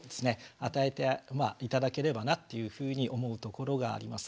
与えて頂ければなっていうふうに思うところがあります。